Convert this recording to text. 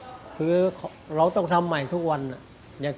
กล่าวค้านถึงกุ้ยเตี๋ยวลุกชิ้นหมูฝีมือลุงส่งมาจนถึงทุกวันนี้นั่นเองค่ะ